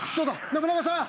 信長さん